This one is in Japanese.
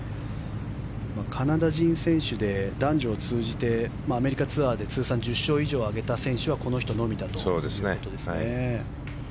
カナダ人選手で男女を通じてアメリカツアーで通算１０勝以上を挙げた選手はこの人のみだということです。